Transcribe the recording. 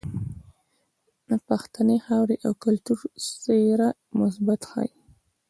د پښتنې خاورې او کلتور څهره مثبت ښائي.